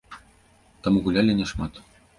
Таму гулялі не шмат.